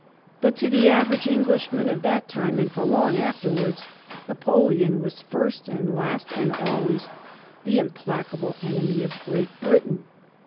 But to the average Englishman of that time, and for long afterwards, Napoleon was first and last and always the implacable enemy of Great Britain.